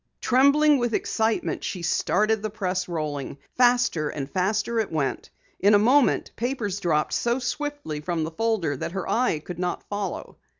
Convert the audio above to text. Trembling with excitement, she started the press rolling. Faster and faster it went. In a moment papers dropped so swiftly from the folder that her eye could not follow.